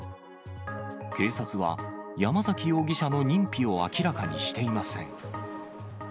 警察は、山崎容疑者の認否を明らかにしていません。